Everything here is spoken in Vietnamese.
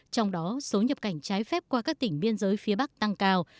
trong đó số nhập cảnh trái phép qua các tỉnh biên giới phía bắc tăng cao